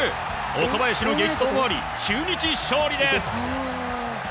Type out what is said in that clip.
岡林の激走もあり中日勝利です！